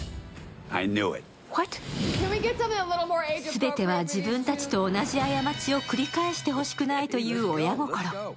全ては自分たちと同じ過ちを繰り返してほしくないという親心。